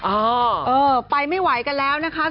เออเออไปไม่ไหวกันแล้วนะคะ